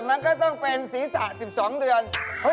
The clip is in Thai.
มันก็ต้องเป็นศีรษะ๑๒เดือน